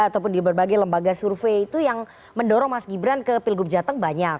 ataupun di berbagai lembaga survei itu yang mendorong mas gibran ke pilgub jateng banyak